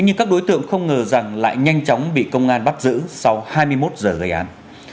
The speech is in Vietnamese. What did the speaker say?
nhưng các đối tượng không ngờ rằng lại nhanh chóng bị công an bắt giữ sau hai mươi một giờ gây án